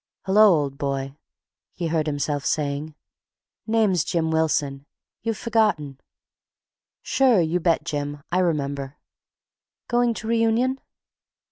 "Hello, old boy—" he heard himself saying. "Name's Jim Wilson—you've forgotten." "Sure, you bet, Jim. I remember." "Going to reunion?"